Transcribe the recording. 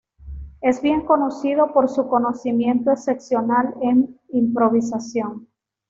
Es bien conocido por su conocimiento excepcional en improvisación.